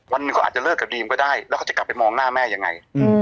วันหนึ่งเขาอาจจะเลิกกับดีมก็ได้แล้วเขาจะกลับไปมองหน้าแม่ยังไง